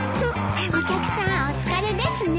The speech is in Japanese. お客さんお疲れですね。